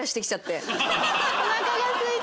おなかがすいて。